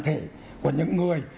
thẻ của những người